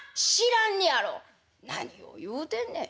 「何を言うてんねん。